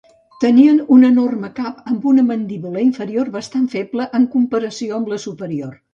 Tenien un enorme cap amb una mandíbula inferior bastant feble en comparació amb la superior.